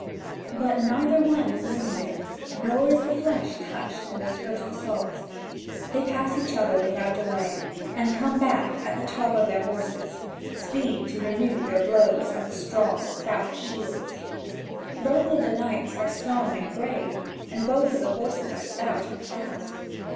But neither one is wounded, nor is the flesh touched in this first assault. They pass each other without delay, and come back at the top of their horses: speed to renew their blows on the strong, stout shields. Both of the knights are strong and brave, and both of the horses are stout and fast.